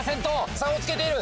差をつけている。